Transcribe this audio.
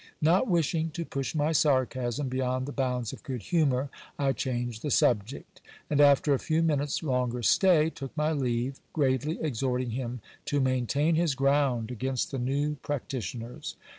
Not wishing to push my sarcasm beyond the bounds of good humour, I changed the subject ; and after a few minutes' longer stay, took my leave, gravely exhorting him to maintain his ground against the new practitioners.